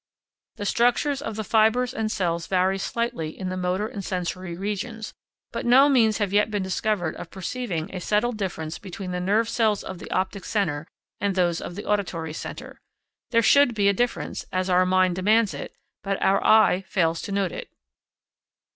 The structure of the fibres and cells varies slightly in the motor and sensory regions, but no means have yet been discovered of perceiving a settled difference between the nerve cells of the optic centre and those of the auditory centre. There should be a difference, as our mind demands it; but our eye fails to note it.